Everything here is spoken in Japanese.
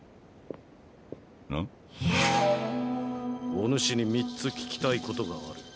お主に３つ聞きたいことがある。